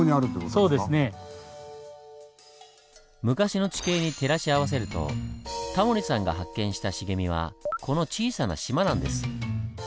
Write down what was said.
昔の地形に照らし合わせるとタモリさんが発見した茂みはこの小さな島なんです。